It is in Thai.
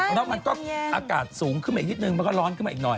แล้วมันก็อากาศสูงขึ้นมาอีกนิดนึงมันก็ร้อนขึ้นมาอีกหน่อย